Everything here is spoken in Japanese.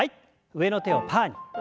上の手をパーに。